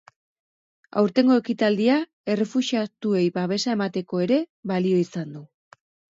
Aurtengo ekitaldia errefuxiatuei babesa emateko ere balio izan du.